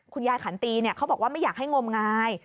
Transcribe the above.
คุณยายขันตีเนี้ยเขาบอกว่าไม่อยากให้งมงาย